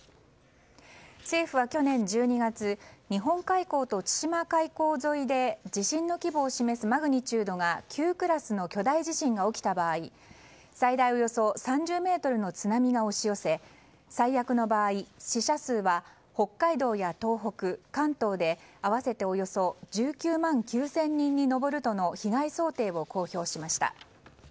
政府は去年１２月日本海溝と千島海溝沿いで地震の規模を示すマグニチュードが９クラスの巨大地震が起きた場合最大およそ３０ｍの津波が押し寄せ最悪の場合、死者数は北海道や東北、関東で合わせておよそ１９万９０００人に上るとの被害想定を公表しました。